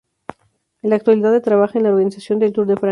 En la actualidad trabaja en la organización del Tour de Francia.